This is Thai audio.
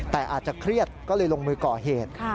แต่อาจจะเครียดก็เลยลงมือก่อเหตุ